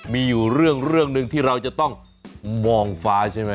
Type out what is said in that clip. มีอยู่เรื่องหนึ่งที่เราจะต้องมองฟ้าใช่ไหม